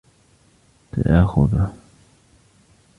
سآخذه.